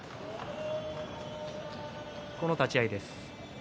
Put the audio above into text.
この立ち合いです。